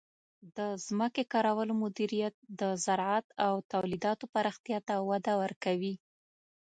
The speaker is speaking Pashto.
د ځمکې کارولو مدیریت د زراعت او تولیداتو پراختیا ته وده ورکوي.